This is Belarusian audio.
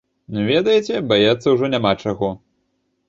Ведаеце, баяцца ўжо няма чаго.